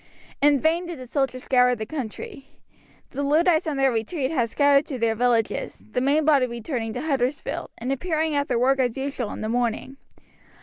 In vain did the soldiers scour the country. The Luddites on their retreat had scattered to their villages, the main body returning to Huddersfield and appearing at their work as usual in the morning.